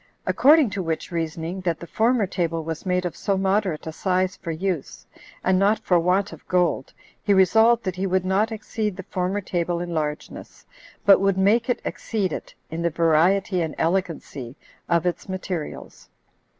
According to which reasoning, that the former table was made of so moderate a size for use, and not for want of gold, he resolved that he would not exceed the former table in largeness; but would make it exceed it in the variety and elegancy of its materials.